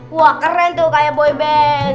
waw wah keren tuh kayak boy band